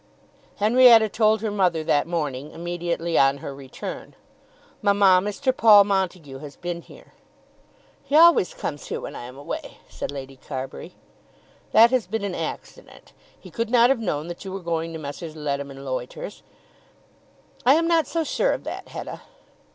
Henrietta told her mother that morning, immediately on her return. "Mamma, Mr. Paul Montague has been here." "He always comes here when I am away," said Lady Carbury. "That has been an accident. He could not have known that you were going to Messrs. Leadham and Loiter's." "I'm not so sure of that, Hetta."